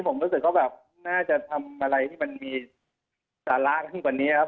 ผมรู้สึกว่าแบบน่าจะทำอะไรที่มันมีสาระยิ่งกว่านี้ครับ